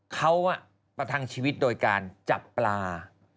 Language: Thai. เขาประทังชีวิตโดยการจับปลา